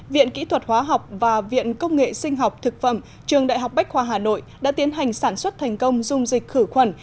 viện kỹ thuật hóa học và viện công nghệ sinh học thực phẩm trường đại học bách khoa hà nội đã tiến hành sản xuất thành công dung dịch khử khuẩn